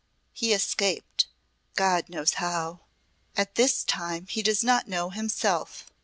He escaped, God knows how. At this time he does not know himself.